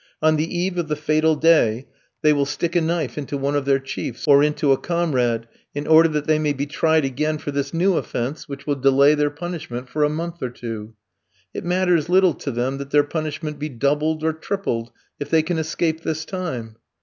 On the eve of the fatal day, they will stick a knife into one of their chiefs, or into a comrade, in order that they may be tried again for this new offence, which will delay their punishment for a month or two. It matters little to them that their punishment be doubled or tripled, if they can escape this time.